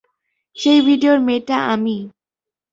সেই ভিডিওর মেয়েটা আমিই।